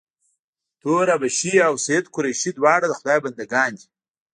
تور حبشي او سید قریشي دواړه د خدای ج بنده ګان دي.